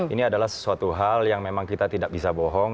ini adalah sesuatu hal yang memang kita tidak bisa bohong